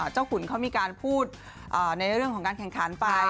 ขุนเขามีการพูดในเรื่องของการแข่งขันไป